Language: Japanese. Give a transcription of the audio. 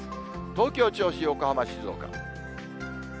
東京、銚子、横浜、静岡。